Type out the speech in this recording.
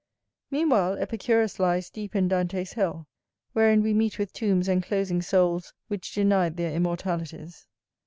Meanwhile Epicurus lies deep in Dante's hell, wherein we meet with tombs enclosing souls which denied their immortalities.